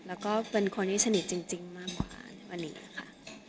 แล้วก็เป็นคนที่สนิทจริงมากกว่าในวันนี้ค่ะ